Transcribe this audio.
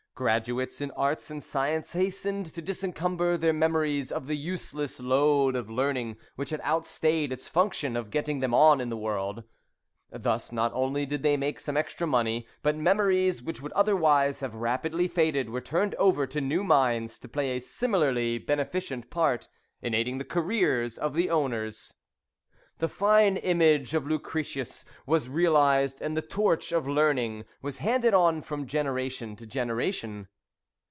Graduates in arts and science hastened to discumber their memories of the useless load of learning which had outstayed its function of getting them on in the world. Thus not only did they make some extra money, but memories which would otherwise have rapidly faded were turned over to new minds to play a similarly beneficent part in aiding the careers of the owners. The fine image of Lucretius was realised, and the torch of learning was handed on from generation to generation.